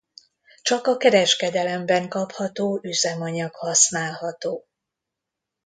Csak a kereskedelemben kapható üzemanyag használható.